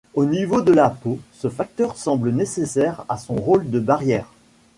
Au niveau de la peau, ce facteur semble nécessaire à son rôle de barrière.